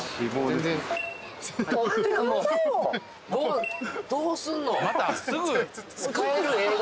もうどうすんの？